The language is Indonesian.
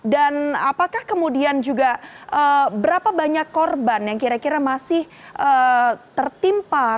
dan apakah kemudian juga berapa banyak korban yang kira kira masih tertimpa